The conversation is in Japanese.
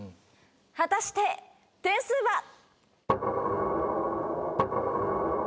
果たして点数は。